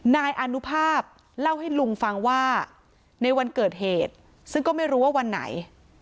นายอนุภาพเล่าให้ลุงฟังว่าในวันเกิดเหตุซึ่งก็ไม่รู้ว่าวันไหน